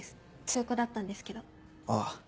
中古だったんですけど。